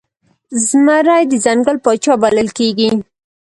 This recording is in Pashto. زمری د ځنګل پاچا بلل کیږي